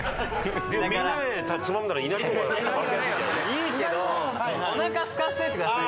いいけどおなかすかせといてください。